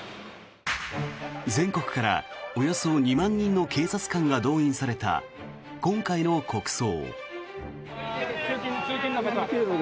全国からおよそ２万人の警察官が動員された今回の国葬。